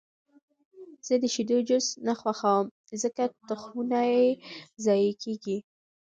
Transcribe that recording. زه د شیدو جوس نه خوښوم، ځکه تخمونه یې ضایع کېږي.